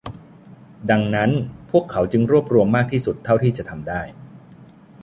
ดังนั้นพวกเขาจึงรวบรวมมากที่สุดเท่าที่จะทำได้